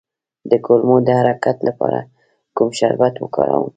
د کولمو د حرکت لپاره کوم شربت وکاروم؟